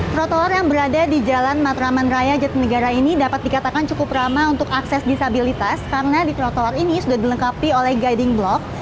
trotoar yang berada di jalan matraman raya jatinegara ini dapat dikatakan cukup ramah untuk akses disabilitas karena di trotoar ini sudah dilengkapi oleh guiding block